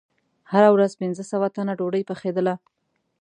هره ورځ پنځه سوه تنه ډوډۍ پخېدله.